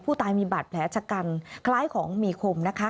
ผู้ตายมีบาดแผลชะกันคล้ายของมีคมนะคะ